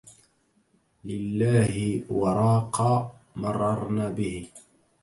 لله وراق مررنا به